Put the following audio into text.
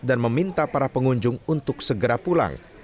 dan meminta para pengunjung untuk segera pulang